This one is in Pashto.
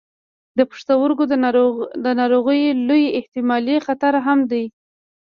د پښتورګو د ناروغیو لوی احتمالي خطر هم دی.